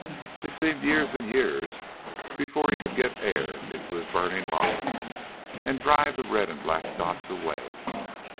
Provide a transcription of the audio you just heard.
It seemed years and years before he could get air into his burning lungs, and drive the red and black dots away.